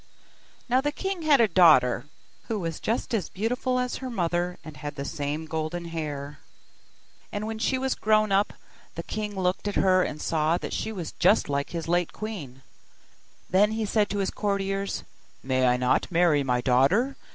Now the king had a daughter, who was just as beautiful as her mother, and had the same golden hair. And when she was grown up, the king looked at her and saw that she was just like this late queen: then he said to his courtiers, 'May I not marry my daughter?